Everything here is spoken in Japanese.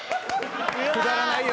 くだらないよ。